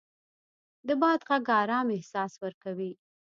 د باد غږ ارام احساس ورکوي